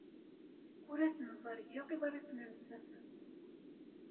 Ur asen-ẓerrgeɣ iḍrisen-nsen.